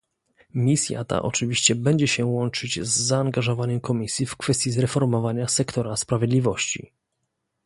Misja ta oczywiście będzie się łączyć z zaangażowaniem Komisji w kwestii zreformowania sektora sprawiedliwości